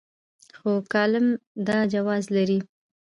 خو کالم دا جواز لري.